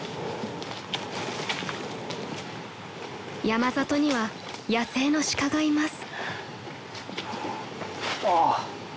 ［山里には野生の鹿がいます］